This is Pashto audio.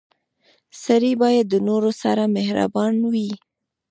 • سړی باید د نورو سره مهربان وي.